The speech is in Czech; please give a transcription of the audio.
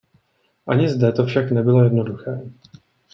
Ani zde to však nebylo jednoduché.